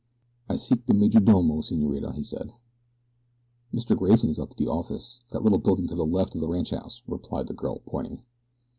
"I seek the majordomo, senorita," he said. "Mr. Grayson is up at the office, that little building to the left of the ranchhouse," replied the girl, pointing.